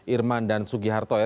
irman dan sugiharto ya